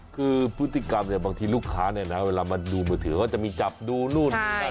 คือพฤติกรรมเนี่ยบางทีลูกค้าเนี่ยนะเวลามาดูมือถือเขาจะมีจับดูนู่น